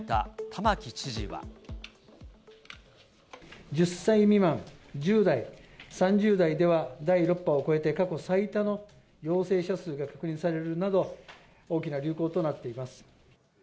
おととい、１０歳未満、１０代、３０代では第６波を超えて過去最多の陽性者数が確認されるなど、大きな流行となっています。